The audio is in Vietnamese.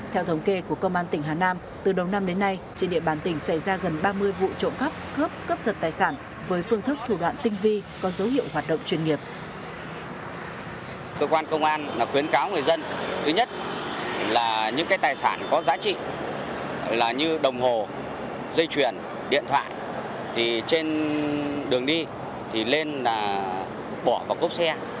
theo thống kê của công an tỉnh hà nam từ đầu năm đến nay trên địa bàn tỉnh xảy ra gần ba mươi vụ trộm cắp cướp cấp giật tài sản với phương thức thủ đoạn tinh vi có dấu hiệu hoạt động chuyên nghiệp